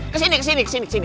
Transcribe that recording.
kesini kesini kesini